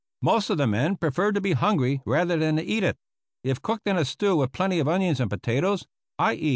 Most of the men preferred to be hungry rather than eat it. If cooked in a stew with plenty of onions and potatoes — i.e.